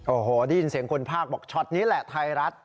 โอ้โหได้ยินเสียงคนภาคบอกช็อตนี้แหละไทยรัฐ